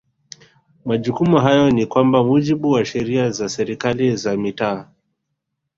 Majukumu hayo ni kwa mujibu wa Sheria za serikali za mitaa